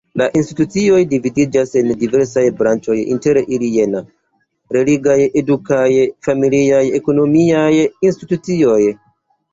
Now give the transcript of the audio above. La institucioj dividiĝas en diversaj branĉoj inter ili jena: religiaj, edukaj, familiaj, ekonomiaj institucioj.